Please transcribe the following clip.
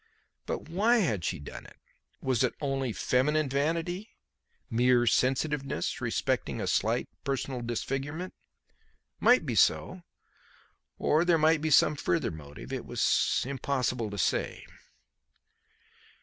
But why had she done it? Was it only feminine vanity mere sensitiveness respecting a slight personal disfigurement? It might be so; or there might be some further motive. It was impossible to say.